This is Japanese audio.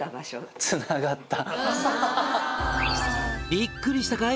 「びっくりしたかい？